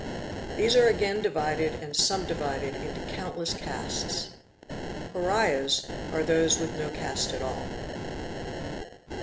These are again divided and sub divided into countless castes. Pariahs, are those with no caste at all.